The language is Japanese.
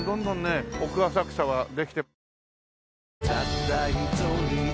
奥浅草はできて。